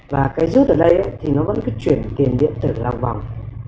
và cái rút ở đây thì nó vẫn cứ chuyển tiền điện tử lòng vòng